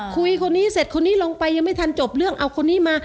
คุยคนนี้เสร็จคนนี้ลงไปยังไม่ทันจบเรื่องเอาคนนี้มา